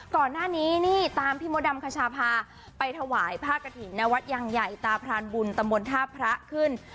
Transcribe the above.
ก่อนหน้านี้นี่ตามพี่มดดำคชาพาไปถวายผ้ากระถิ่นนวัดยังใหญ่ตาพรานบุญตำบลท่าพระขึ้น